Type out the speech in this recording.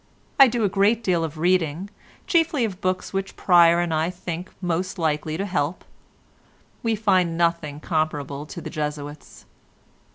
I do a great deal of reading—chiefly of books which Pryer and I think most likely to help; we find nothing comparable to the Jesuits.